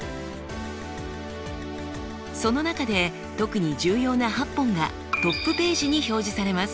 その中で特に重要な８本がトップページに表示されます。